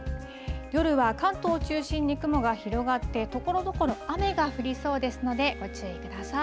夜は関東を中心に雲が広がって、ところどころ雨が降りそうですのでご注意ください。